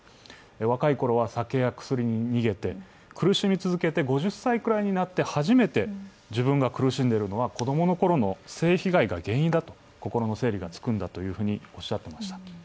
若いころは酒や薬に逃げて、苦しみ続けて５０歳くらいになって初めて自分が苦しんでいるのは子供のころの性被害が原因だと、心の整理がつくんだというふうにおっしゃっていました。